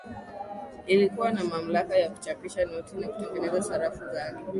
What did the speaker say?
ilikuwa na mamlaka ya kuchapisha noti na kutengeneza sarafu zake